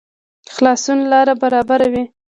خلاصون لاره برابروي